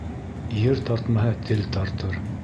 Ер тартмаһа, тел тартыр.